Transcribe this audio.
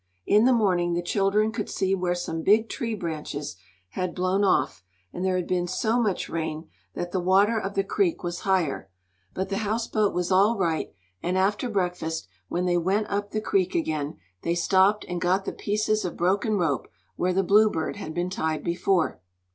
In the morning the children could see where some big tree branches had blown off, and there had been so much rain, that the water of the creek was higher. But the houseboat was all right, and after breakfast, when they went up the creek again, they stopped and got the pieces of broken rope, where the Bluebird had been tied before.